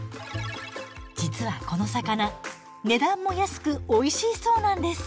実はこの魚値段も安くおいしいそうなんです。